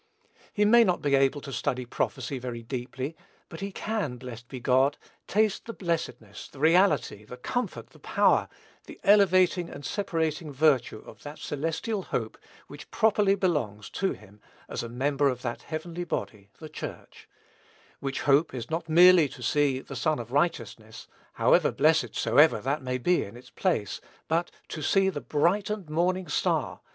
He may not be able to study prophecy very deeply, but he can, blessed be God, taste the blessedness, the reality, the comfort, the power, the elevating and separating virtue of that celestial hope which properly belongs to him as a member of that heavenly body, the Church; which hope is not merely to see "the Sun of righteousness," how blessed soever that may be in its place, but to see "the bright and morning star."